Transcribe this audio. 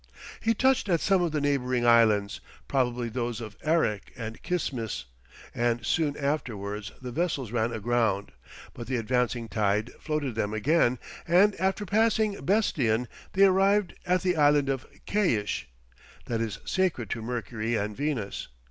He touched at some of the neighbouring islands, probably those of Arek and Kismis, and soon afterwards the vessels ran aground, but the advancing tide floated them again, and after passing Bestion, they arrived at the island of Keish, that is sacred to Mercury and Venus.